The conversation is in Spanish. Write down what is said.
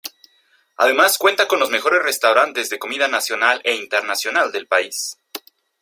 Además cuenta con los mejores restaurantes de comida nacional e internacional del país.